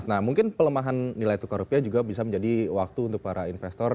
nah mungkin pelemahan nilai tukar rupiah juga bisa menjadi waktu untuk para investor